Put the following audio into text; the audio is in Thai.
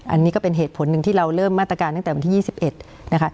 อันนี้ก็เป็นเหตุผลหนึ่งที่เราเริ่มมาตรการตั้งแต่วันที่๒๑นะคะ